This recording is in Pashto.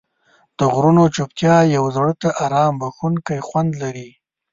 د غرونو چوپتیا یو زړه ته آرام بښونکی خوند لري.